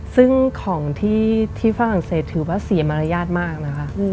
ซึ่งของที่ฝรั่งเศสถือว่าเสียมารยาทมากนะคะ